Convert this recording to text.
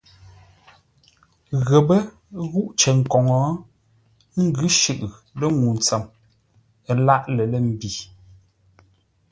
Ghəpə́ ghúʼ cər koŋə, ə́ ngʉ̌ shʉʼʉ lə́ ŋuu ntsəm, ə lâʼ lər lə̂ mbi.